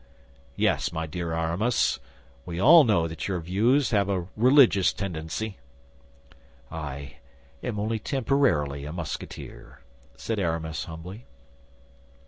Yes, my dear Aramis, we all know that your views have a religious tendency." "I am only temporarily a Musketeer," said Aramis, humbly.